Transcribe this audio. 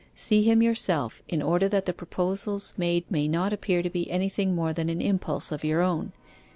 See him yourself, in order that the proposals made may not appear to be anything more than an impulse of your own.